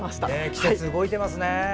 季節、動いてますね。